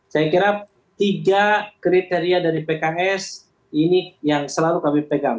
saya kira tiga kriteria dari pks ini yang selalu kami pegang